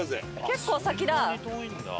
結構先だ。